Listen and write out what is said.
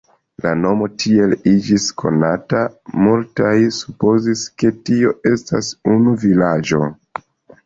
La nomo tiel iĝis konata, multaj supozis, ke tio estas unu vilaĝo.